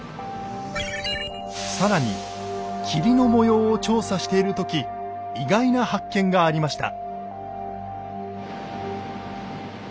更に桐の模様を調査している時意外な発見がありました。